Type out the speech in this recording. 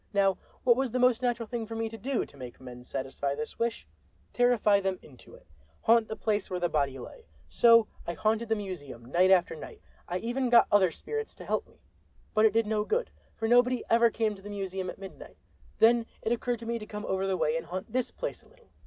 Now what was the most natural thing for me to do, to make men satisfy this wish? Terrify them into it!— haunt the place where the body lay! So I haunted the museum night after night. I even got other spirits to help me. But it did no good, for nobody ever came to the museum at midnight. Then it occurred to me to come over the way and haunt this place a little.